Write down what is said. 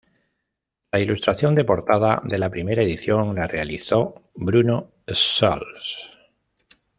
La ilustración de portada de la primera edición la realizó Bruno Schulz.